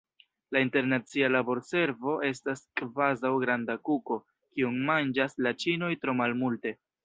La internacia laborservo estas kvazaŭ granda kuko, kiun manĝas la ĉinoj tro malmulte.